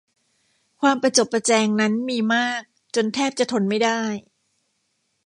ความประจบประแจงนั้นมีมากจนแทบจะทนไม่ได้